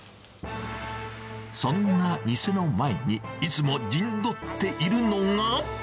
そんな店の前にいつも陣取っているのが。